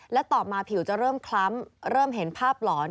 และต่อมาผิวจะเริ่มคล้ำเริ่มเห็นภาพหลอน